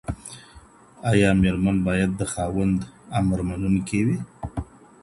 آيا ميرمن بايد د خاوند امرمنونکې وي؟